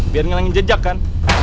biar ngelangin jejak kan